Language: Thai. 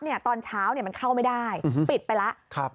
ตอนเช้ามันเข้าไม่ได้ปิดไปแล้ว